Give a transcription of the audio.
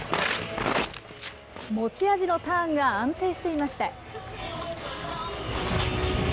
持ち味のターンが安定していました。